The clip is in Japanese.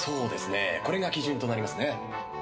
これが基準となりますね。